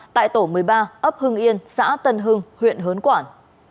tại tổ một mươi ba ấp hưng yên xã tân hưng huyện hớn quản